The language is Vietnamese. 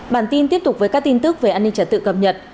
bản tin tiếp tục với các tin tức về an ninh trật tự cập nhật